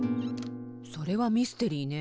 それはミステリーね。